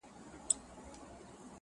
خداى دي ساته له بــېـلــتــــونـــــه